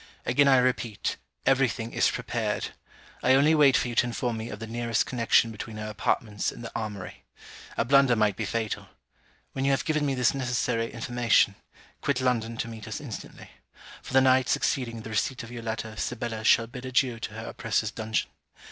Again I repeat, every thing is prepared I only wait for you to inform me of the nearest connection between her apartments and the armoury. A blunder might be fatal. When you have given me this necessary information, quit London to meet us instantly; for the night succeeding the receipt of your letter Sibella shall bid adieu to her oppressor's dungeon.